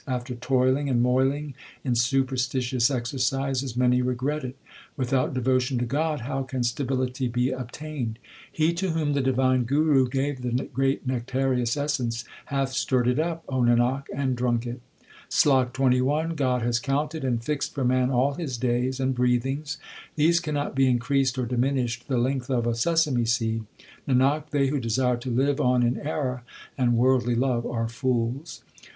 After toiling and moiling in superstitious exercises many regret it ; Without devotion to God how can stability be obtained ? He to whom the divine Guru gave the great nectareous essence, Hath stirred it up ; O Nanak, and drunk it. SLOK XXI God has counted and fixed for man all his days and breathings ; these cannot be increased or diminished the length of a sesame seed ; Nanak, they who desire to live on in error and worldly love are fools.